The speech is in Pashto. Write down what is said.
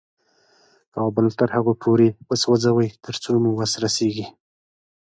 کابل تر هغو پورې وسوځوئ تر څو مو وس رسېږي.